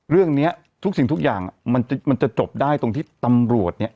เรื่องนี้ทุกสิ่งทุกอย่างมันจะจบได้ตรงที่ตำรวจเนี่ย